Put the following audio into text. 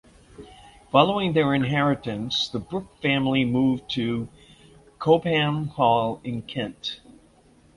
Following their inheritance the Brooke family moved to Cobham Hall in Kent.